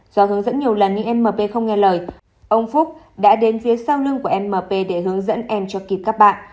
do hướng dẫn nhiều lần nhưng m p không nghe lời ông phúc đã đến phía sau lưng của m p để hướng dẫn em cho kịp các bạn